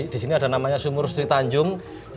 di sini ada namanya sumur sri tanjung